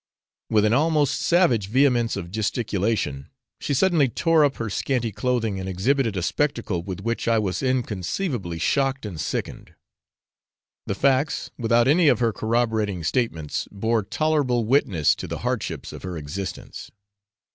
With an almost savage vehemence of gesticulation she suddenly tore up her scanty clothing, and exhibited a spectacle with which I was inconceivably shocked and sickened. The facts, without any of her corroborating statements, bore tolerable witness to the hardships of her existence.